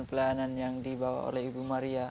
ada juga pelayanan pelayanan yang dibawa oleh ibu maria